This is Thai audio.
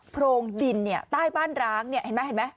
โพรงดินเนี่ยใต้บ้านร้างเนี่ยเห็นไหมเห็นไหม